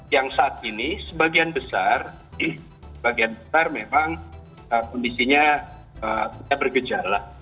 yang saat ini sebagian besar sebagian besar memang kondisinya tidak bergejala